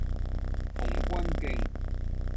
童軍徑